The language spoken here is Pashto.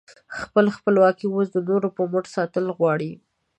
خپله خپلواکي اوس د نورو په مټ ساتل غواړې؟